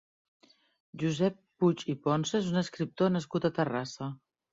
Josep Puig i Ponsa és un escriptor nascut a Terrassa.